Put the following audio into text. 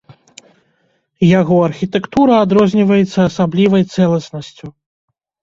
Яго архітэктура адрозніваецца асаблівай цэласнасцю.